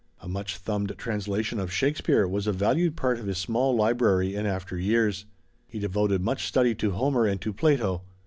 A much thumbed translation of Shakespeare was a valued part of his small library in after years. He devoted much study to Homer and to Plato.